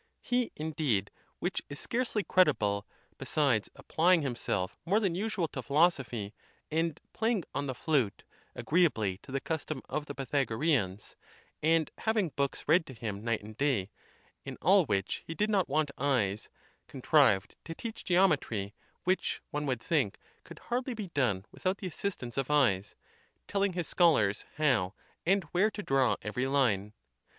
He, indeed, which is scarcely credible, besides applying himself more than usual to philosophy, and playing on the flute, agreeably to the custom of the Pythagoreans, and having books read to him night and day, in all which he did not want eyes, contrived to teach geometry, which, one would think, could hardly be done without the assistance of eyes, tell ing his scholars how and where to draw every line.